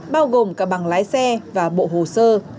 bao gồm cả bằng lái xe và bộ hồ sơ